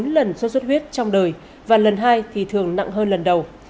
bốn lần sốt xuất huyết trong đời và lần hai thì thường nặng hơn lần đầu